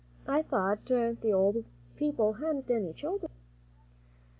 "I thought the old people hadn't any children."